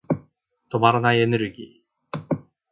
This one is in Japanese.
止まらないエネルギー。